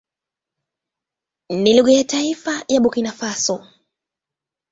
Ni lugha ya taifa ya Burkina Faso.